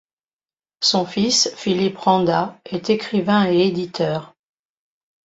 Son fils, Philippe Randa, est écrivain et éditeur.